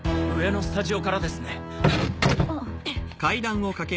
上のスタジオからですね。